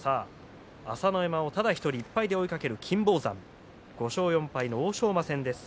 朝乃山をただ１人１敗で追いかける金峰山５勝４敗の欧勝馬戦です。